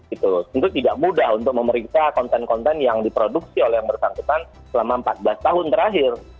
itu tentu tidak mudah untuk memeriksa konten konten yang diproduksi oleh yang bersangkutan selama empat belas tahun terakhir